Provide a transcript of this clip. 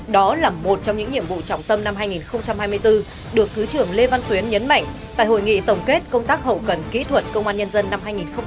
đó là một trong những nhiệm vụ trọng tâm năm hai nghìn hai mươi bốn được thứ trưởng lê văn tuyến nhấn mạnh tại hội nghị tổng kết công tác hậu cần kỹ thuật công an nhân dân năm hai nghìn hai mươi ba